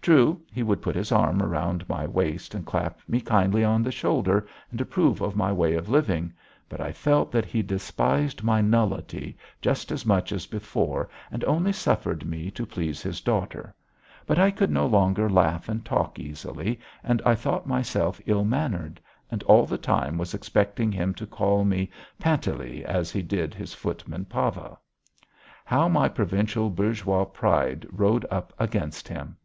True he would put his arm round my waist and clap me kindly on the shoulder and approve of my way of living, but I felt that he despised my nullity just as much as before and only suffered me to please his daughter, but I could no longer laugh and talk easily, and I thought myself ill mannered, and all the time was expecting him to call me Panteley as he did his footman Pavel. How my provincial, bourgeois pride rode up against him!